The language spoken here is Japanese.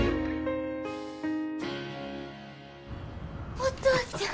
お父ちゃん。